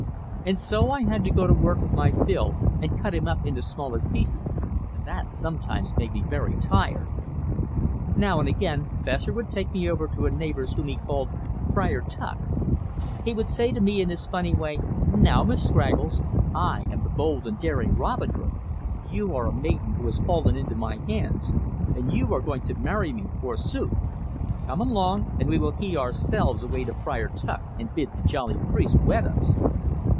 And so I had to go to work with my bill and cut him up into smaller pieces, and that sometimes made me very tired. Now and again Fessor would take me over to a neighbor's whom he called "Friar Tuck." He would say to me in his funny way: "Now, Miss Scraggles, I am the bold and daring Robin Hood. You are a maiden who has fallen into my hands, and you are going to marry me, forsooth. Come along, and we will hie ourselves away to Friar Tuck and bid the jolly priest wed us!"